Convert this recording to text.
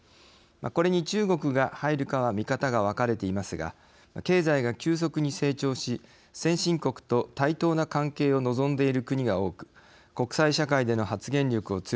これに中国が入るかは見方が分かれていますが経済が急速に成長し先進国と対等な関係を望んでいる国が多く国際社会での発言力を強めています。